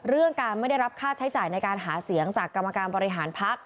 เรื่องการไม่ได้รับค่าใช้จ่ายในการหาเสียงจากกรรมการบริหารพัก